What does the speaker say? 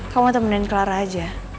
kau mau temenin clara aja